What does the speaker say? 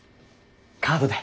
カードで。